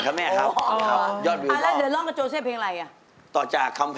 กลับความสาหร่าครับ